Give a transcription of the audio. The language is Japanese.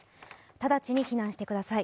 直ちに避難してください。